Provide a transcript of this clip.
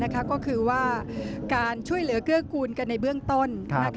ก็คือว่าการช่วยเหลือเกื้อกูลกันในเบื้องต้น